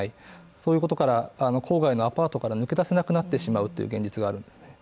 そういうことから郊外のアパートから抜け出せなくなってしまう現実がある。